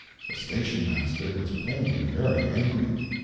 The station master was plainly very angry.